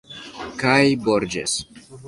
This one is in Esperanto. Kaj Borĝes...